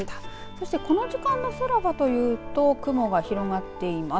そして、この時間の空はというと雲が広がっています。